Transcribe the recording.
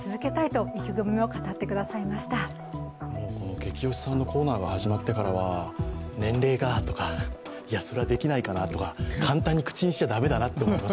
ゲキ推しさんのコーナーが始まってからは年齢がとか、いや、それはできないかなとか、簡単に口にしちゃだめだなと思います。